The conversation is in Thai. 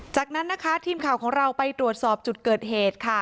จากนั้นนะคะทีมข่าวของเราไปตรวจสอบจุดเกิดเหตุค่ะ